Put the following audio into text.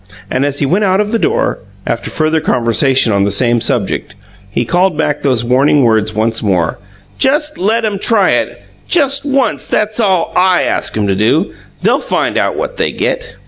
And as he went out of the door, after further conversation on the same subject, he called back those warning words once more: "Just let 'em try it! Just once that's all I ask 'em to. They'll find out what they GET!"